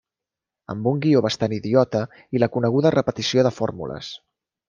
Amb un guió bastant idiota i la coneguda repetició de fórmules.